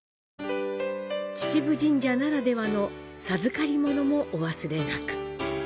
秩父神社ならではの授かり物もお忘れなく。